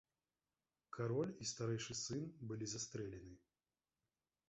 Кароль і старэйшы сын былі застрэлены.